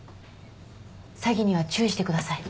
詐欺には注意してください。